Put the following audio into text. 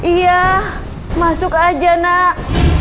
iya masuk aja nak